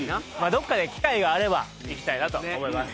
どっかで機会があれば行きたいなと思います